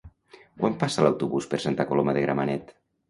Quan passa l'autobús per Santa Coloma de Gramenet?